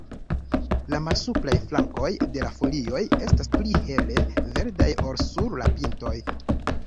La malsupraj flankoj de la folioj estas pli hele verdaj ol sur la pintoj.